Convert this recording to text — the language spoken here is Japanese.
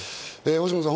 星野さん。